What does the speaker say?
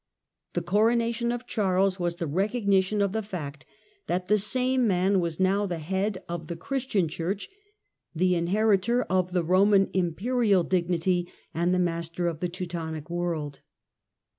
The coronation of Charles was the recognition of the fact that the same man was now the head of the Christian Church, the inheritor of the Eoman Imperial dignity and the master of the Teutonic world.